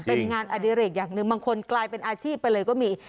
เป็นงานอดิเรกอย่างหนึ่งบางคนกลายเป็นอาชีพไปเลยก็มี